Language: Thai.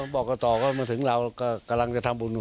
บอกกันต่อก็ถึงเรากำลังจะทำบุญ